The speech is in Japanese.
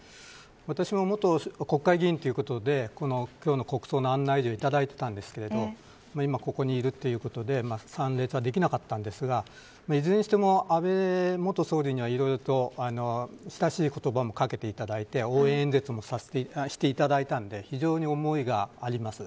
私も元国会議員ということで今日の国葬の案内状をいただいていたんですが今、ここにいるということで参列はできなかったんですがいずれにしても安倍元総理にはいろいろと親しい言葉もかけていただいて応援演説もしていただいたので非常に思いがあります。